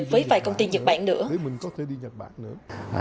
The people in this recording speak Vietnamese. với vài công ty nhật bản nữa